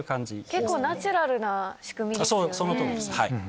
結構、ナチュラルな仕組みでそのとおりです。